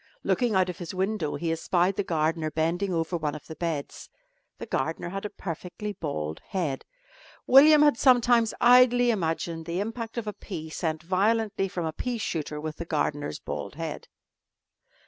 Looking out of his window he espied the gardener bending over one of the beds. The gardener had a perfectly bald head. William had sometimes idly imagined the impact of a pea sent violently from a pea shooter with the gardener's bald head.